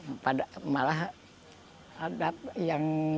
malah ada yang